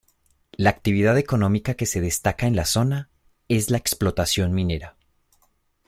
La actividad económica que se destaca en la zona, es la explotación minera.